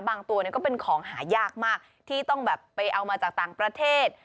ตัวเนี่ยก็เป็นของหายากมากที่ต้องแบบไปเอามาจากต่างประเทศ